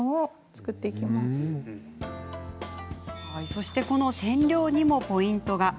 そしてこの染料にもポイントが。